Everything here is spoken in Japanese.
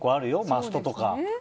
マストとか。